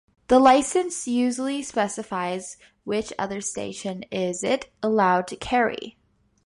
The license usually specifies which other station is it allowed to carry.